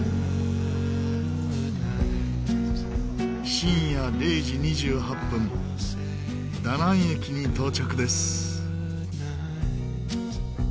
深夜０時２８分ダナン駅に到着です。